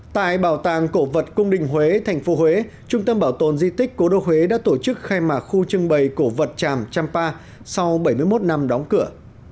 tại bảo tàng cổ vật cung đình huế thành phố huế trung tâm bảo tồn di tích cố đô huế đã tổ chức khai mạc khu trưng bày cổ vật tràm trăm pa sau bảy mươi một năm đóng cửa